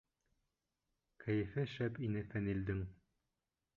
Кәйефе шәп ине Фәнилдең.